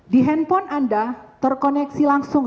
di handphone anda terkoneksi langsung